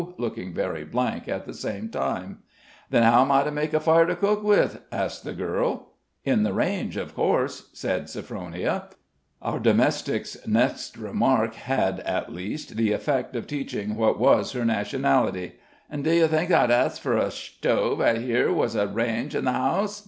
looking very blank at the same time. "Then how am I to make a fire to cook with?" asked the girl. "In the range, of course," said Sophronia. Our domestic's next remark had, at least, the effect of teaching what was her nationality: "An' do ye think that I'd ax fur a sthove av dhere was a range in the house?